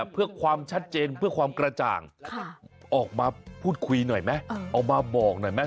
เพื่อความชัดเจนเพื่อความกระจ่างออกมาพูดคุยหน่อยไหมเอามาบอกหน่อยไหม